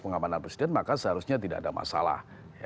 pengamanan presiden maka seharusnya tidak ada masalah